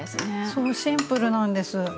そうシンプルなんです。